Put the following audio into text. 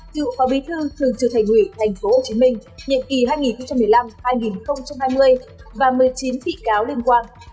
tựu phó bí thư thường trưởng thành nguyễn tp hcm nhiệm kỳ hai nghìn một mươi năm hai nghìn hai mươi và một mươi chín bị cáo liên quan